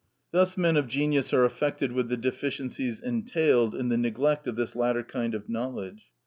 Thus men of genius are affected with the deficiencies entailed in the neglect of this latter kind of knowledge.